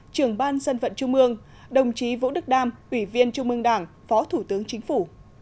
trưởng ban dân vận trung mương đồng chí vũ đức đam ủy viên trung ương đảng phó thủ tướng chính phủ